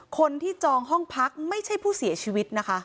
คนที่จองห้องพักไม่ใช่ผู้เสียชีวิตนะคะ